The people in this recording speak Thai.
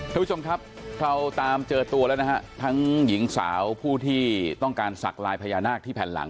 ทุกผู้ชมครับเราตามเจอตัวแล้วนะฮะทั้งหญิงสาวผู้ที่ต้องการสักลายพญานาคที่แผ่นหลัง